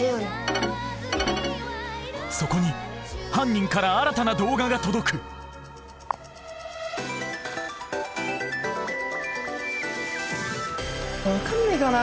そこに犯人から新たな動画が届く分かんねえかな